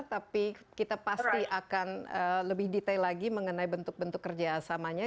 tapi kita pasti akan lebih detail lagi mengenai bentuk bentuk kerjasamanya